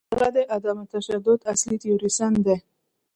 هغه د عدم تشدد اصلي تیوریسن دی.